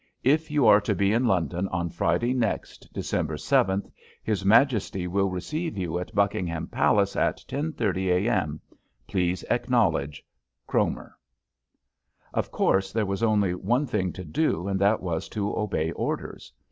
If you are to be in London on Friday next, December 7th, His Majesty will receive you at Buckingham Palace at 10:30 A.M. Please acknowledge. CROMER. Of course, there was only one thing to do and that was to obey orders.